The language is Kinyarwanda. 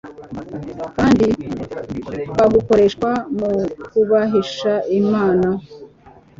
kandi bugakoreshwa mu kubahisha Imana,